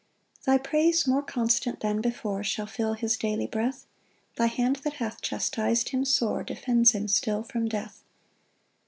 2 Thy praise, more constant than before, Shall fill his daily breath; Thy hand that hath chastis'd him sore, Defends him still from death.